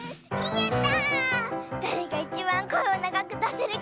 やった！